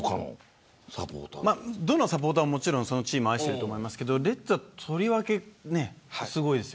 どのサポーターもそのチームを愛してると思いますけどレッズはとりわけすごいです。